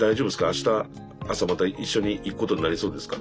あした朝また一緒に行くことになりそうですか？